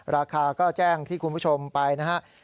ราคาก็แจ้งที่คุณผู้ชมไปนะครับ